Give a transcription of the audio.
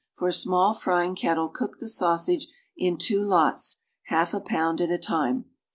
For a small frying kettle eook the sausage in two lots, half a pound at a time.